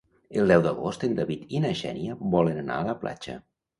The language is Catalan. El deu d'agost en David i na Xènia volen anar a la platja.